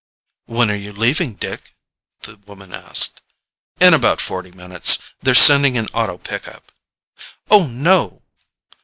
"When are you leaving, Dick?" the woman asked. "In about forty minutes. They're sending an auto pickup." "Oh, no!"